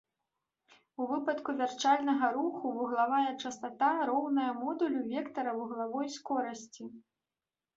У выпадку вярчальнага руху, вуглавая частата роўная модулю вектара вуглавой скорасці.